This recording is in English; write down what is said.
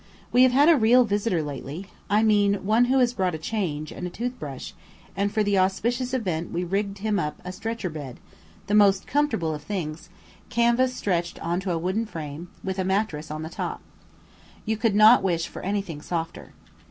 We have had a real visitor lately I mean one who has brought a change, and a toothbrush; and for the auspicious event we rigged him up a stretcher bed, the most comfortable of things, canvas stretched on to a wooden frame, with a mattress on the top. You could not wish for anything softer.